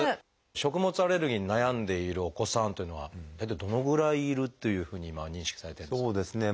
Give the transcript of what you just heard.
食物アレルギーに悩んでいるお子さんっていうのは大体どのぐらいいるというふうに今は認識されてるんですか？